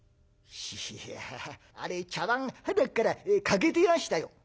「いやあれ茶碗はなっから欠けてましたよ」。